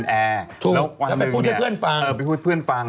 และพูดเพื่อนฟัง